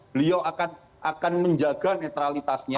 beliau akan menjaga netralitasnya